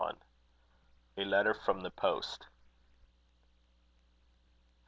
A LETTER FROM THE POST.